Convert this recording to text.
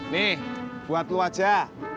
nih buat lo aja